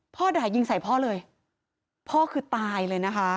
ด่ายิงใส่พ่อเลยพ่อคือตายเลยนะคะ